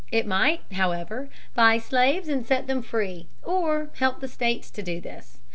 It might, however, buy slaves and set them free or help the states to do this.